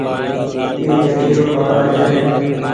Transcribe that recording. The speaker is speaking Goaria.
اي ديوي رو پآنڙآ ڇي۔